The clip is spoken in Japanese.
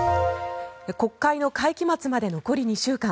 国会の会期末まで残り２週間。